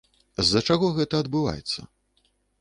З-за чаго гэта адбываецца?